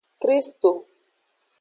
Kristo.